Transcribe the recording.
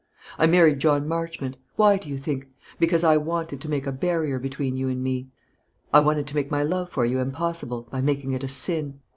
I married John Marchmont why, do you think? because I wanted to make a barrier between you and me. I wanted to make my love for you impossible by making it a sin.